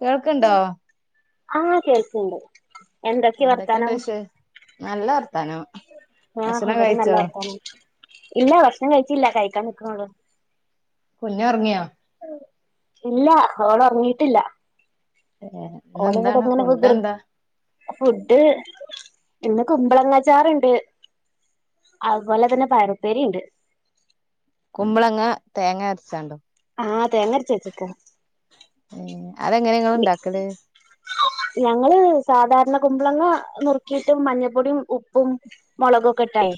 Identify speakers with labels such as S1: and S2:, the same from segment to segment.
S1: കേൾക്ക്ണ്ടോ
S2: ആ കേൾക്ക്ണ്ട് എന്തൊക്കെ
S1: എന്തൊക്കെണ്ട്
S2: വർത്താനം
S1: വിശേ നല്ല വർത്താനം
S2: ആ
S1: ഭക്ഷണം
S2: അവിടിം നല്ല
S1: കഴിച്ചോ
S2: വർത്താനം ഇല്ല ഭഷണം കഴി ച്ചില്ല കഴിക്കാൻ നിക്കണൊള്ളു
S1: കുഞ്ഞൊർങ്ങിയോ
S2: ഇല്ല ഓളൊർങ്ങീട്ടില്ല
S1: ഏ ഇന്നെന്താണ് ഫുഡ്‌ എന്താ
S2: ഫുഡ് ഇന്ന് കുമ്പളങ്ങച്ചാറ്ണ്ട് അതുപോലെ തന്നെ പയറുപ്പേരിണ്ട്
S1: കുമ്പളങ്ങ തേങ്ങ അര്ച്ചാണ്ടോ
S2: ആഹ് തേങ്ങരച്ച് വെച്ചക്കാ
S1: ഏഹ് അതെങ്ങനെ ഇങ്ങള് ഇണ്ടാക്കല്
S2: ഞങ്ങള് സാധാരണ കുമ്പളങ്ങ നുറുക്കിയിട്ട് മഞ്ഞപ്പൊടിം ഉപ്പും മൊളകും ഒക്കെ ഇട്ടയ്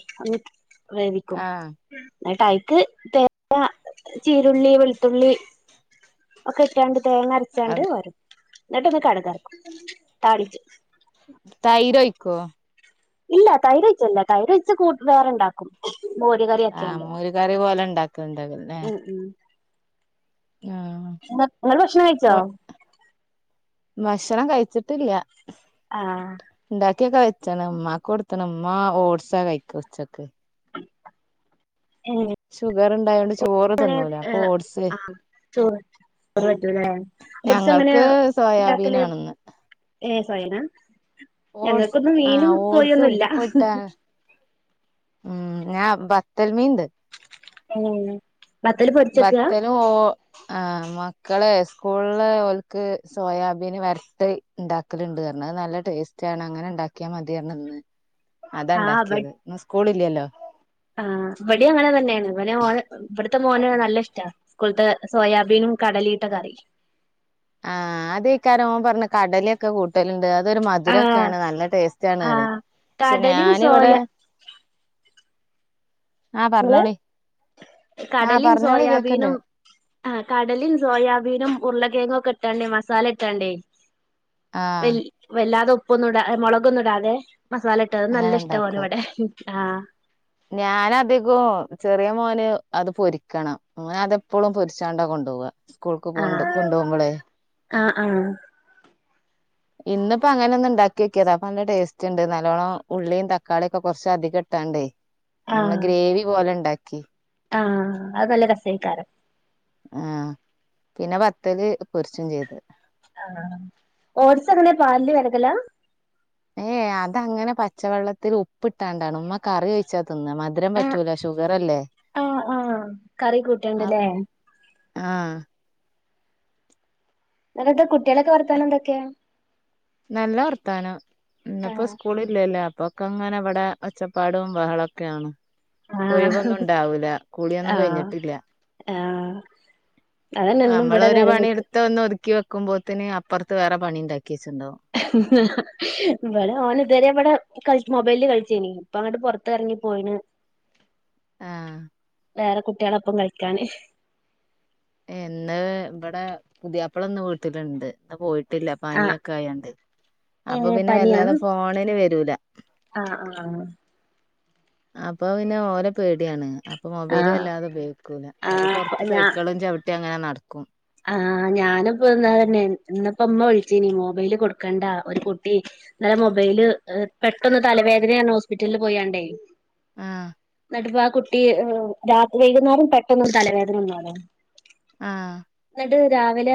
S2: വേവിക്കും
S1: ആഹ്
S2: ന്നിട്ടൈക്ക് തേങ്ങാ ചീരുള്ളി വെളുത്തുള്ളി ഒക്കെ ഇട്ടാണ്ട് തേങ്ങരച്ചാണ്ട്
S1: അത്
S2: പാരും ന്നിട്ടൊന്ന് കടകർക്കും താളിച്ചും
S1: തൈര് ഒഴിക്കുവോ
S2: ഇല്ല തൈര് ഒഴിക്കലില്ലാ തൈര് ഒഴിച്ച് കൂ വേറെ ഉണ്ടാക്കും
S1: ആ മോര് കറി പോലെ ഇണ്ടാക്കുന്നുണ്ട് അല്ലേ
S2: ള് ഓള് ഭക്ഷണം കഴിച്ചോ
S1: ഓഹ് ഭക്ഷണം കഴിച്ചിട്ടില്ല
S2: ആ
S1: എനിക്ക് കഴിക്കണം ഉമ്മാക്ക് കൊടുക്കണം ഉമ്മാ ഓട്സാ കഴിക്കാ ഉച്ചക്ക്
S2: ഏ
S1: ചോറുണ്ടായോണ്ട്
S2: അങ്ങനെ ആ ചോറ് ചോറ് പറ്റൂല അല്ലേ ഓട്സ് എങ്ങനാ
S1: ഞങ്ങൾക്ക്
S2: ഉണ്ടാക്കല്
S1: സോയാബീനാണ് ഇന്ന്
S2: [unintelligible]
S1: ഓട്സ് ആഹ് ഓട്സ്
S2: ഇല്ല
S1: ഉപ്പിട്ട ഉം ഞാൻ അ ബത്തൽ മീൻ ണ്ട്
S2: ഓ ബത്തല് പൊരിച്ചക്കാ
S1: ബത്തലും ഓ ആ മക്കളെ സ്കൂളില് ഓൽക്ക് സോയാബീന് വർത്തെ ഇണ്ടാക്കലുണ്ട് അത് നല്ല ടേസ്റ്റാണ് അങ്ങനെ ഇണ്ടാക്കിയാൽ മതീയർഞ്ഞ് ന്ന്
S2: ആ വട്
S1: സ്കൂളില്ലല്ലോ
S2: ആ വടി അങ്ങനെതന്നെയാണ് ഓലെ ഇവട് ൺത്ത മോന് നല്ല ഇഷ്ടാ സ്കൂൾത്തെ സോയാബീനും കടലിട്ട കറി
S1: ആഹ് അതെയ്ക്കാരം ഓൻ പറഞ്ഞ കടലൊക്കെ കൂട്ടല്ണ്ട് അതൊരു
S2: ആഹ്
S1: മധുരംക്കെയാണ് നല്ല ടേസ്റ്റാണ് പറിം
S2: ആഹ്
S1: പക്ഷെ
S2: കടലിം സോയ
S1: ഞാനിവടെ ആഹ്
S2: ഇങ്ങള്
S1: പറഞ്ഞാളീ
S2: കടലിം സോയാബീനും ആ കടലിം സോയാബീനും ഉരുളകിഴങ്ങൊക്കെ ഇ ട്ടാണ്ട് മസാല ഇട്ടാണ്ട്
S1: ആ
S2: വൽ വല്ലാതെ ഉ ഉപ്പൊന്നും ഇട മുളകൊന്നും ഇടാതെ മസാല ഇട്ടത് നല്ല ഇഷ്ട ഓന് വടെ ആഹ്
S1: ഞൻ അധികും ചെറിയ മോന് അത് പൊരിക്കണം ഓനതെപ്പഴും പൊരിച്ചാണ്ട കൊണ്ട്പോവാ സ്കൂൾക്ക് പോണ്ട് കൊണ്ടുപോകുമ്പളേ
S2: ആ ആഹ്
S1: ഇന്നിപ്പോ അങ്ങനെ ഒന്ന് ഇണ്ടാക്കി ഓക്കിയതാ അപ്പ നല്ല ടേസ്റ്റ് ഇണ്ട് നല്ലോണം ഉള്ളിം തക്കാളിം ഒക്കെ കൊറച്ച് അധികം ഇട്ടാണ്ടേ നമ്മള്
S2: ആഹ്
S1: ഗ്രേവി പോലെ ഇണ്ടാ ക്കി
S2: ആഹ് അത് നല്ല രസേക്കാരം
S1: ആ പിന്നെ ബത്തല് പൊരിച്ചും ചെയ്ത്
S2: ആ ഓട്സ് എങ്ങനെ പാല് വരകലാ
S1: ഏയ് അതങ്ങനെ പച്ചവെള്ളത്തിൽ ഉപ്പിട്ടാണ്ടാണ് ഉമ്മ കറി വെച്ച മധുരം
S2: ആഹ്
S1: പറ്റൂല ഷുഗർ അല്ലേ
S2: ആഹ് ആഹ് കറി
S1: ആ
S2: കൂട്ടണ്ട്ല്ലേ
S1: ആഹ്
S2: പിന്നെത്താ കുട്ടികളെക്കെ വർത്താനം എന്തൊക്കെയാ
S1: നല്ല വർത്താനം ഇന്നിപ്പോ
S2: ആഹ്
S1: സ്കൂൾ ഇല്ലല്ലോ പ്പൊക്കെ അങ്ങനെ ഇവിടെ ഒച്ചപ്പാടും ബഹളൊക്കെയാണ്
S2: ആഹ്
S1: ഒഴിവൊന്നും ഉണ്ടാവൂല്ല കുളിയൊന്നും
S2: ആഹ്
S1: കഴിഞ്ഞിട്ടില്ല
S2: ആഹ് അതന്നെ എന്നും ഇവിടെ
S1: നമ്മളൊരു
S2: നേരം വൈകും
S1: പണിയെടുത്ത ഒന്ന് ഒതുക്കി വെക്ക ക്കുമ്പോത്തിന് അപ്പൊർത്ത് വേറെ പണിണ്ടാക്കി വച്ച്ണ്ടാവും
S2: ഇവിടെ ഓന് ഇതുവരെ ഇവിടെ കള മൊബൈലില് കളിച്ചേനി ഇപ്പ അങ്ങോട്ട് പൊറത്ത് ഇറങ്ങി പോയിണ്
S1: ആഹ്
S2: വേറെ കുട്ടികളപ്പം കളിക്കാന്
S1: ഇന്ന് ഇവിടെ പുതിയപ്പളന്ന് വീട്ടിലുണ്ട് ഇന്ന് പോയിട് ട്ടില്ല
S2: ആഹ്
S1: പനിയൊക്കെ ആയോണ്ട്
S2: ഏ
S1: അപ്പൊ പിന്നെ
S2: പനിയാ
S1: വല്ലാതെ ഫോണിന് വ പറ്റൂല
S2: ആഹ് ആഹ്
S1: അപ്പൊ പിന്നെ ഓരോ പേടിയാണ് അപ്പൊ
S2: ആഹ്
S1: മൊബൈലും
S2: ആഹ്
S1: വല്ലാതെ ഉപയോഗിക്കൂില്ല അപ്പൊ പുറത്ത് സൈക്കിളും ചവിട്ടിയും അങ്ങനെ നടടുക്കും
S2: ആഹ ഞാനിപ്പോന്ന തന്നെ ഇന്നപ്പ അമ്മ വിളിച്ചീനി മൊബൈല് കൊടുക്കണ്ടാ ഒരു കുട്ടി ഇല്ല മൊബൈല് പെട്ടന്ന് തലവേദനയന്ന ഹോസ്പിറ്റലില് പോയണ്ടേ
S1: ആഹ
S2: വാ കുട്ടി രാത്രി വൈകുന്നേരം പെട്ടെന്ന് തലവേദന ഒന്ന
S1: ആഹ
S2: രാവിലെ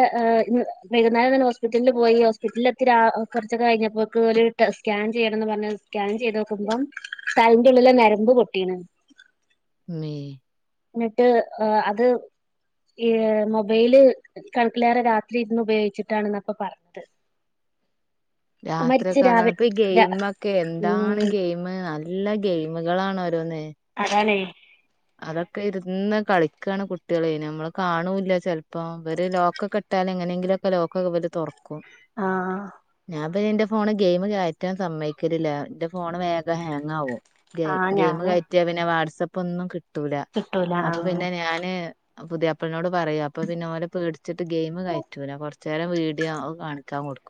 S2: വകുന്നേരം തന്നെ ഹോസ്പിറ്റലിൽ പോയി ഹോസ്പിറ്റലിൽ എത്തി കുറച്ചൊക്കെ കഴിഞ്ഞപ്പോക്ക് സ്കാൻ ചെയ്യണംന്ന് പറഞ്ഞത് സ്കാൻ ചെയ്ത് നോക്കുമ്പതലേന്റ ഉള്ളില നരമ്പ് പൊട്ടിയണ്
S1: മ
S2: എന്നിട്ട് അത് ഈ മൊബൈല് കണക്കിലേറെ രാത്രി ഇരുന്ന് ഉപയോഗിച്ചിട്ടാണെന്നപ്പൊ പറഞ്ഞത് മരിച്ച്
S1: രാത്രിയക്കെല്ലണ്
S2: രാവിലെ
S1: അപ്പൊ ഈ
S2: രാ
S1: ഗെയിമ ഒക്കെ എന്താണ്
S2: ഉം
S1: ഗെയിം നല്ല എല്ലാ ഗെയിമുകളാണട്ടോ രോന്ന്
S2: അതാണ്ട്ടോ
S1: അതൊക്കെ ഇരുന്ന് കളിക്കുകയാണ് കുട്ടികൾ നമ്മള് കാണൂില്ല ചിലപ്പോ ഇര് ലോക്കക്ക കെട്ടാലും എങ്ങനെങ്കിലുംക്കെ ലോക്കൊക്കെ വ തുറക്കും
S2: ആഹ
S1: അപ്പൊ എന്റെ ഫോണ് ഗെയിം കയറ്റാൻ സമ്മക്കല്ല എന്റെ ഫോണ് വേഗം ഹാങ്ങ ആും
S2: ആഹ്
S1: ഗെയിം
S2: ഞാനും
S1: കയറ്റിയാൽ പിന്നെ [unintelligible] [unintelligible] കിട്ടൂല
S2: കിട്ടൂല
S1: അപ്പൊ
S2: ആഹ്
S1: പിന്നെ ഞാന് പുതിയപ്പളിനോട് പറയൂ അപ്പൊ പിന്നെ ഓല പേട കുച്ചിട്ട ഗെയിം കയറ്റൂില്ല കുറ ചില വീഡിയോ കാണിക്കാൻ കൊടുക്കും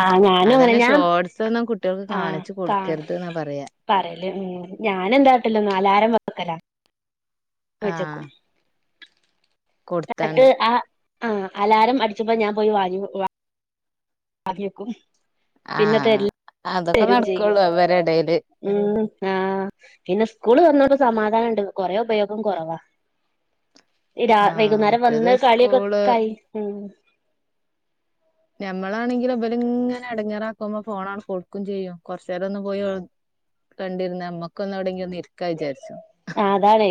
S2: ആ ഞാനും അങ്ങനെ
S1: അതന്നെ
S2: ഞാൻ
S1: ഷോർട്സ് ഒന്നും കുട്ടികൾക്ക്
S2: ആഹ
S1: കാണിച്ചു കൊടുക്കരുത് എന്നാ പറയാ
S2: എന്തായിട്ടല്ലോ നാലരം രാ [unintelligible]
S1: ആഹ്
S2: വച്ചേക്കും അത്
S1: കൊടുത്താണ്ട്
S2: ആ ആ അലാറം അടിച്ചപ്പോ ഞാൻ പോയി വാ അതിയക്കും പിന്നത്
S1: ആഹ് അതൊക്കെ
S2: തരും ചെയ്യും
S1: നടക്കുള്ളൂ അവരെ ഇടയില്
S2: ഉ ആഹ പിന്നെ സ്കൂള് വന്നോണ്ട് സമാധാനം കൊറേ ഉപയോഗം കുറവാ
S1: ആഹ്
S2: വൈകുന്നേരം
S1: മറ്റേത്
S2: വന്ന്
S1: സ്കൂള്
S2: കളിയൊക്കെക്കായി ഉ-
S1: ഞമ്മളാണെങ്കിലിൽലും ഇങ്ങനെ അടങ്ങിയാറാക്കുമ്പോ ഫോണ ആണ് കൊടുക്കും ചെയ്യും കുറച്ച നേരം ഒന്ന് പോയി കണ്ടിര നമ്മുക്കൊന്ന് എവിടെങ്കിൽ ഒന്ന ഇ
S2: ആ അതാണ്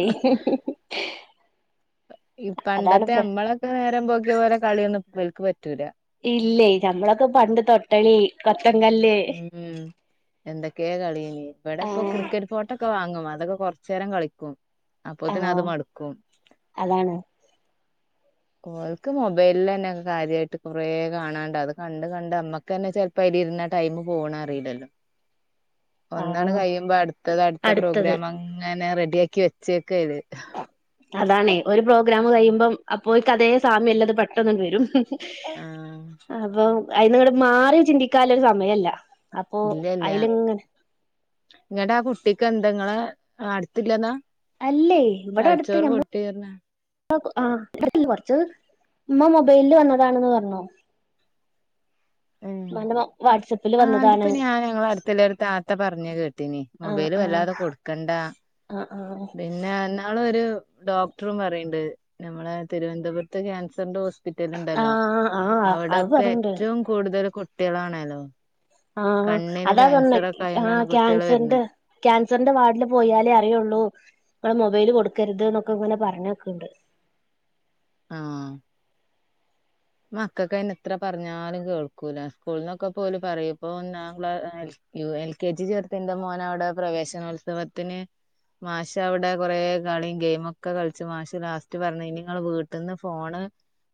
S1: ഈ പണ്ടത്തെ
S2: പ്ര
S1: നമ്മളൊക്കെ നേരം പോക്കിയ പോലെ കളിയൊന്ന ഇവർക്ക് പറ്റൂല
S2: ഇല്ലേ നഞമ്മളൊക്കെ പണ്ട് തൊട്ടളി കൊത്തങ്കല്ല്
S1: ഉം എന്തൊക്ക കേ കളിയ ഇവിടെ ഇപ്പോൊ
S2: ആഹ്
S1: ക്രിക്കറ്റ് ഫോട്ടോൊക്കെ വാങ്ങ അതൊക്കെ കുറച്ചു നേരം കളിക്കും അപ്പൊ തന്നെ അത്
S2: ആഹ്
S1: മടുക്കും
S2: അതാണ്
S1: ഓൾക്ക് മൊബൈലില്ലനെ കാര്യമായിട്ട് കൊറേ കാണാണ്ട അത് കണ്ട് കണ്ട് അമ്മക്ക് തന്നെ ചെലപ്പോ അല് ഇരുന്ന ടൈം പോണ അറിയില്ലല്ലോ ഒന്നാണ്
S2: ആഹ്
S1: കഴിയുമ്പോ അടുത്തത് അടുത്ത
S2: അടുത്തത്
S1: പ്രോഗ്രാം അങ്ങനെ റെഡ ടിയക്കി വച്ചേക്കത്
S2: അതാണ് ഒരു പ്രോഗ്രാം കഴിയുമ്പം അപ്പോൊ കഥേ സാമ്യം അല്ലാത് പെട്ടെന്ന് വരും
S1: ആഹ്
S2: അപ്പോ അതിൽ ഇങ്ങട് മാറി ചിന്തിക്കാൻ സമയമില്ല
S1: ഇല്ലില്ല.... നിങ്ങടെ [unintelligible] കുട്ടി ബന്ധങ്ങളെ അടുത്ത് ഇല്ലെന്ന് [unintelligible]
S2: അല്ലേ ഇവിടെ അടുത്ത് നമ്മൾ ആ കൊറച്ച് ഉമ്മ മൊബൈലിൽ വന്നതാണന്ന് പറഞ്ഞോ വാട്ട്‌സാപ്പ്
S1: ആ അതിപ്പോ ഞാൻ ഞങ്ങളെ അടുത്തുള്ള താത്ത പറഞ്ഞേ കേട്ടീനി
S2: ആ
S1: മൊബൈൽ
S2: ആ
S1: വല്ലാതെ കൊടുക്കേണ്ട
S2: ആ
S1: പിന്നെ എന്നാ ഇന്നാൾ ഒരു ഡോക്ടറും പറയണ്ട് നമ്മളെ തിരുവനന്തപുരത്ത് ക്യാൻസന്റെ ഹോസ്
S2: ആ
S1: കിട്ടീട്ടുണ്ടല്ലോ
S2: ആ ആ അത്
S1: അവിടയൊക്കെ
S2: പറയണ്ട്
S1: ഏറ്റവും കൂടുതല് കു കുട്ടികളാണല്ലോ
S2: ആ
S1: കണ്ണിന്
S2: അതാ പറഞ്ഞെ
S1: ക്യാൻസർ ഒക്കെ
S2: ആ
S1: ആയോണ്ടാണ് കുട്ടികള്
S2: ക്യാൻസറിന്റെ
S1: വര്ണെ
S2: ക്യാൻസറിന്റെ വാർഡില് പോയാലേ അറിയുള്ളൂ ഇവിടെ മൊബൈൽ കൊടുക്കരുത് എന്നൊക്കെ ഇങ്ങനെ പറഞ്ഞോക്കുണ്ട്
S1: ആ മക്കൾക്ക് അയിന് എത്ര പറഞ്ഞാലും കേൾക്കൂല സ്കൂളിലൊക്കെ പോലും പറയും ഇപ്പൊ ഒന്നാം ക്ലാ എൽ കെ ജി ചേർത്ത് എന്റെ മോന് അവിടെ പ്രവേശനോത്സവത്തിന് മാഷ് അവിടെ കുറെ കളിയും ഗെയിമും ഒക്കെ കളിച്ചു മാഷ് ലാസ്റ്റ് പറഞ്ഞു ഇനി നിങ്ങൾ വീട്ടീന്ന് ഫോണ്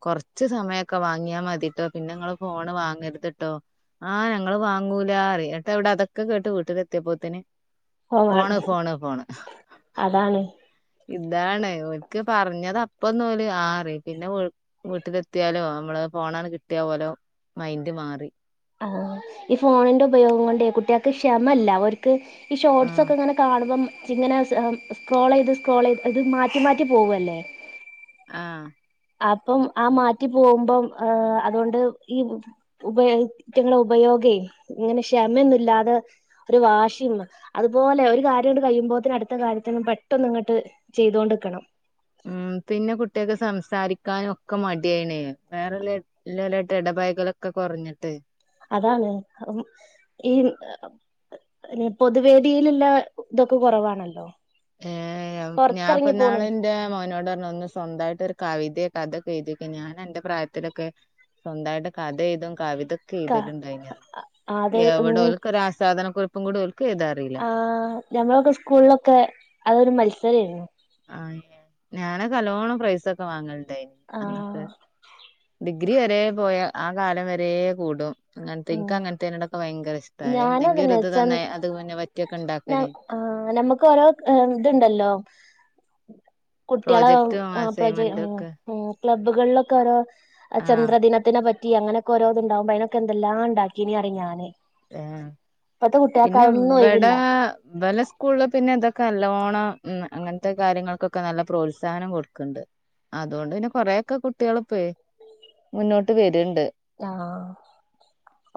S1: കുറച്ച് സമയ ഒക്കെ വാങ്ങിയാ മതീട്ടോ പിന്നെ നിങ്ങൾ ഫോണ് വാങ്ങരുതുട്ടോ ആഹ് ഞങ്ങൾ വാങ്ങൂല പറയും എന്നിട്ട് അതൊക്കെ കേട്ട് വീട്ടിലെത്തിയപ്പോത്തനെ
S2: ഫോൺ വേണും അതാണ്
S1: ഇതാണ് ഓൻക്ക് പറഞ്ഞത് അപ്പോ ഒന്ന് ഓ പറയും പിന്നെ വീട്ടിലെത്തിയാലും നമ്മള് ഫോണങ്ങട്ട് കിട്ടിയ ഓല മൈന്റ് മാറി
S2: ആ ഈ ഫോണിന്റെ ഉപയോഗം കൊണ്ടേ കുട്ടികൾക്ക് ക്ഷമല്ല ഓർക്ക് ഈ ഷോർട്സ്
S1: ഉം
S2: ഒക്കെ ഇങ്ങനെ കാണുമ്പം ഇങ്ങനെ സ്ക്രോൾ ചെയ്ത് സ്ക്രോൾ ചെയ്ത് ഇത് മാറ്റി മാറ്റി പോവല്ലേ
S1: ആ
S2: അപ്പം ആ മാറ്റി പോകുമ്പം അതുകൊണ്ട് ഈ ഉപയോഗിക്കുന്ന ഉപയോഗെ ഇങ്ങനെ ക്ഷമയോന്നുമില്ലാതെ ഒരു വാശിയും അതുപോലെ ഒരു കാര്യം അങ്ങട്ട് കഴിയുമ്പോത്തിന് അടുത്ത കാര്യത്തിനു പെട്ടന്ന് ഇങ്ങോട്ട് ചെയ്തൊണ്ട് നിക്കണം
S1: ഉം പിന്നെ കുട്ടികൾക്ക് സംസാരിക്കാനും ഒക്കെ മടിയാണ് വേറൊള്ള അളുക്കളായിട്ട് ഇടപടലൊക്കെ കുറഞ്ഞിട്ട്
S2: അതാണ് ഈ പൊതുവേദിയിലുള്ള ഇതൊക്കെ കുറവാണല്ലോ
S1: ഏ ഞാനിപ്പ
S2: പൊറത്തിറങ്ങി പോണ
S1: ഇന്നാള് എന്റെ മോനോട് പറഞ്ഞ് ഒന്ന് സ്വന്തമായിട്ട് ഒരു കവിതയെ കഥയൊക്കെ എഴുതി വെയ്ക്ക് ഞാൻ അന്റെ പ്രായത്തിലൊക്കെ സ്വന്തമായിട്ട് കഥ എഴുതും കവിത ഇതൊക്കെ
S2: ക
S1: എടുതലിണ്ടായി ഞാൻ
S2: അത്
S1: എവിടെ ഓർക്ക് ഒരു ആസ്വാദനക്കുറിപ്പ്‌ ഒന്നും കൂട
S2: ആ ഞമ്മളൊക്കെ സ്കൂളിലൊക്കെ അതൊരു മത്സരായിരുന്നു
S1: ആ ഞാൻ നല്ലോണം പ്രൈസ് ഒക്കെ വാങ്ങലു [unintelligible] അന്നത്തെ
S2: ആഹ്
S1: [unintelligible] ഗ്രി വരെ പോയാ ആ കാലം വരെ കൂടും അതെ ഇനക്ക് അങ്ങനത്തിനോടാ
S2: ഞാന അതെന്നെച്ച
S1: അത് പിന്നെ പറ്റിയൊക്കെ ഉണ്ടാക്കല്
S2: ആ നമ്മുക്ക് ഓരോ ഇതുണ്ടല്ലോ [unintelligible] കുട്ടിയള
S1: പ്രോജക്റ്റും
S2: ആ പ്രജമ്
S1: അസൈൻമെന്റും ഒക്കെ
S2: മ് ക്ലബ്ബുകളിലൊക്കെഓരോ ആ
S1: ആഹ്
S2: ചന്ദ്രദിനത്തിനെ പറ്റി റ്റി അങ്ങനൊക്കെ ഓരോത് ഇണ്ടാവുമ്പോ അതിനൊക്കെ എന്തെലാം ഉണ്ടാക്കിനീ യറി ഞാന്
S1: ആ
S2: ഇപ്പത്തെ കുട്ട്യാക്ക്
S1: പിന്നെ
S2: അതൊന്നും
S1: വടേ
S2: ഒഴിവില്ല
S1: വല സ്കൂള് പിന്നെതൊക്ക.... കല്ലനല്ലൊണം ഉ അങ്ങനത്തെ കാര്യങ്ങൾക്കൊക്കെ നല്ല പ്രോത്സാഹനം കൊടുക്കണ്ട് അതുകൊണ്ട് പിന്നെ കൊറയക്കെ കുട്ടികൾ ഇപ്പ മുന്നോട്ട് വരുണ്ട്
S2: ആഹ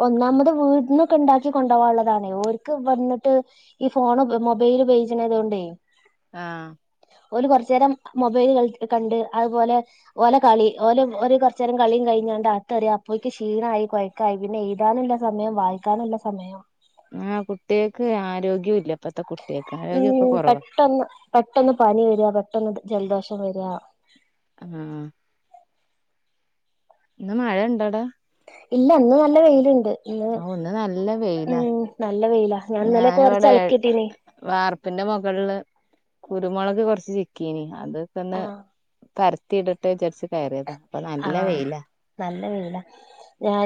S2: ഒന്നാമത് വീടിനൊക്കെ ഉണ്ടാക്കി കൊണ്ടുപോകാനുള്ളതാണേഓര്ക്ക് വന്നിട്ട് ഈ ഫോണ് മൊബൈല് ഉപയോഗിച്ചണത കൊണ്ടേ
S1: ആ
S2: ഓല കുറച്ചു നേരം മൊബൈൽ ക കണ്ട് അതുപോലെ ഓലെ കളി ഓലെഓ കുറു നേരം കളിയും കഴിഞ്ഞാണ്ട് അത്ത അറിയ പോയിക്ക് ക്ഷീണമായി കൊഴക്കായി പിന്നെ എഴുതാനുള്ള സമയം വായിക്കാനുള്ള സമയം
S1: ആ കുട്ടികക്ക് ആരോഗ്യഉല്ല
S2: ഉ പെട്ടെന്ന് പെട്ടന്ന് പനി വരിക പെട്ടെന്ന് ജലദോഷം വരാ
S1: ആ ഇന്ന് മഴ ഇണ്ടടാ
S2: ഇല്ല അന്ന് നല്ല വെയിലുണ്ട് ഇന്ന്
S1: ആ ഒന്ന് നല്ല വെയില
S2: ഉം നല്ല വെയിലാ ഞാൻ ഇന്നലെ കൊറച്ച്
S1: ഞാനിവിടെ
S2: അലക്കിട്ടീനി
S1: വാർപ്പിന്റെ മുകളില് കുരുമുളക് കൊറച്ച് ചിക്കിനി അതൊക്കന്നെ
S2: ആഹ്
S1: പരത്തിയിടട്ട് ച കേറിയതാ അപ്പൊ നല്ല വെയിലാ
S2: എ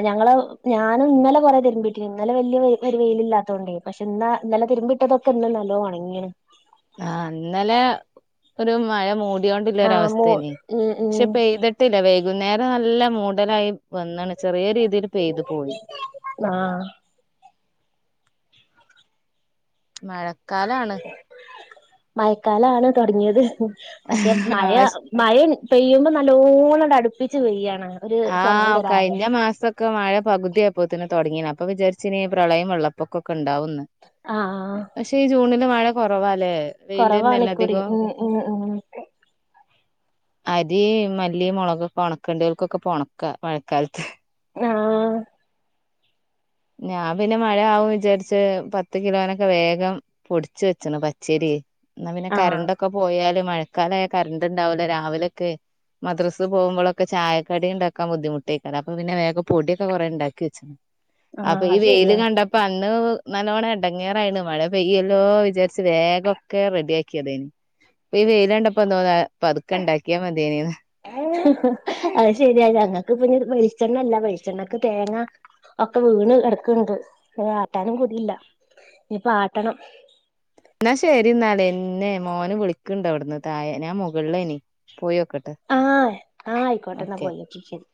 S2: ഞങ്ങള് ഞാനും ഇന്നലെ കൊറെ തരുമ്പീട്ടിനി ന്നലെ വല്യ ഒരു വെയില ഇല്ലാത്തോണ്ടെ പക്ഷെ എന്നാ നല്ല തിരുമ്പിട്ടതൊക്കെ ഇന്ന് നല്ലോണം ഒണങ്ങിണ്
S1: ആ ഇന്നലെ ഒരു മഴ മൂടി ടോണ്ടിള്ള
S2: ആഹ് മോ
S1: അവസ്ഥേനി
S2: ഉം
S1: പക്ഷെ
S2: ഉം
S1: പെയ്തിട്ടില്ല വൈകുന്നേരം നല്ല മൂഡലായി വന്നണ് ചെറിയ രീതിൽ പെയ്ത് പോയി
S2: ആഹ്
S1: മഴക്കാലാണ്
S2: മഴക്കാലണ് തുടങ്ങിയത് പക്ഷെ മയഴ മഴ പെയ്യുമ്പോ നല്ലോണം അടുപ്പിച്ച് പെയ്യാണ് ഒരു സമയം
S1: ആഹ്
S2: തരാതെ
S1: കഴിഞ്ഞ മാസൊക്കെ മഴ പകുതി ത്തിന് തുടങ്ങിണ് അപ്പൊ വിചാരിച്ചിനി പ്രളയും വെള്ളപ്പൊക്കൊക്കെ ഉണ്ടാവുന്നു ഉം പക്ഷെ ഈ ജൂണി മഴ കുറവാ
S2: കൊറവാണിക്കുറി ഉ ഉ
S1: അരി മല്ലി മുളകൊക്കെ ഉണക്കണ്ടി ക്കൊക്കെ പോണക്ക മഴക്കാലത്ത്
S2: ആഹ്
S1: ഞാൻ പിന്നെ മഴയാവും വിചാരിച്ച് പത്ത് കിലോനൊക്കെ വേഗം പൊടിച്ച് വെച്ചണ് പച്ചേരി എന്നാ പിന്നെ ക
S2: ആഹ്
S1: രണ്ടൊക്കെ പോയാല് മഴക്കാലായ കറണ്ട് ഉണ്ടാവല്ലോ രാവിലെൊക്കെ മദ്രസ് പോകുമ്പോഴൊക്കെ ചായക്കടി ഉണ്ടാക്കാൻ ബുദ്ധിമുട്ടേക്കരം അപ്പൊ പിന്നെ വേഗ പൊടിയൊക്കെ കൊറെ ഉണ്ടാക്കി വെച്ച
S2: ആഹ്
S1: അപ്പൊ ഈ
S2: അത്
S1: വെയില്
S2: ശരിയാ
S1: കണ്ടപ്പോ അന്ന് നല്ലവണം എടങ്ങേറായിണ് മഴ പയ്യല്ലോ വിചാരിച്ച്ച് വേഗൊക്കെ റെഡിയ ആക്കിയത ഇനി ഇപ്പ ഈ വെയിലണ്ടപ്പോന്തോന്നാ പതുക്കെ ഉണ്ടാക്കിയാ മതിേനിന്ന്
S2: അത് ശരിയ ഞങ്ങക്ക് ഇപ്പ വെളിച്ചെണ്ണ ഇല്ല വെളിച്ചെണ്ണക്ക് തേങ്ങ ഒക്കെ വീണ് കിടക്കണ്ട് അ ആട്ടാനും കുടീല്ല ഇനിപ്പ ആട്ടണം
S1: എന്നാ ശരി ന്നാല എന്ന്നെ മോന് വിളിക്കണ്ട അവിടുന്ന് തായേ ഞാൻ മുകളിലേനി പോയോ
S2: ആഹ് ആഹ് ആയിക്കോട്ടെ എന്നാ പോയോ ക്കാ ശരി